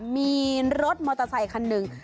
มีรถมอเตอร์ไซคันหนึ่ง